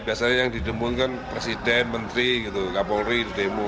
biasanya yang didemukan presiden menteri kapolri demo